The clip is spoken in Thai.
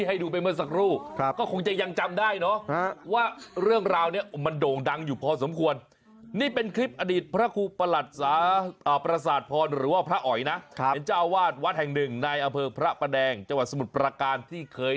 เหมือนใช่หลวงพ่อที่คุยไหมว่าส้มโอ้อร่อย